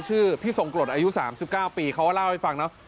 ชื่อพี่ทรงกรดอายุ๓๙ปีเขาก็เล่าให้ฟังเนอะ